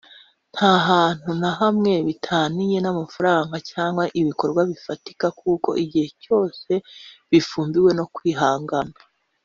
nta hantu na hamwe bitaniye n’ amafaranga cyangwa ibikorwa bifatika kuko gihe cyose bifumbiwe no kwihangana